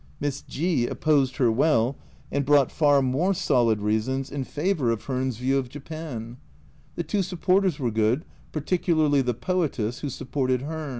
Miss G opposed her well, and brought far more solid reasons in favour of Hearn's 176 A Journal from Japan view of Japan ; the two supporters were good, par ticularly "the Poetess," who supported Hearn.